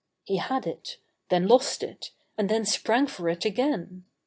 He had it, then lost it, and then sprang for it again.